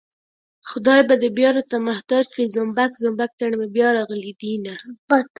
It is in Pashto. خدای به دې بيا راته محتاج کړي زومبک زومبک څڼې مې بيا راغلي دينه